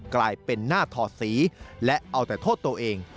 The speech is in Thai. กลายเป็นหน้าถอดสีและเอาแต่โทษตัวเอง